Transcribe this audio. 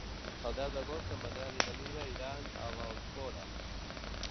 El deu d'agost en Manel i na Mira iran a l'Alcora.